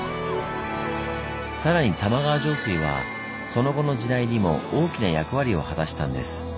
さらに玉川上水はその後の時代にも大きな役割を果たしたんです。え？